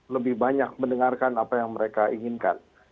lebih banyak mendengarkan apa yang mereka inginkan